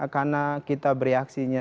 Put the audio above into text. karena kita bereaksinya